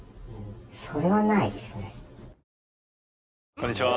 こんにちは。